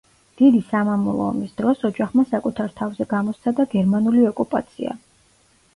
დიდი სამამულო ომის დროს ოჯახმა საკუთარ თავზე გამოსცადა გერმანული ოკუპაცია.